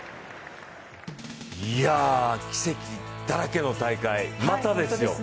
奇跡だらけの大会、またですよ。